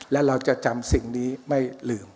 และเราจะจำสิ่งนี้ไม่ลืม